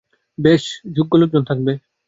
ব্যস যোগ্য লোকজন থাকবে।